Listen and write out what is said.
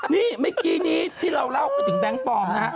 นี่เมื่อกี้นี้ที่เราเล่าไปถึงแบงค์ปลอมฮะ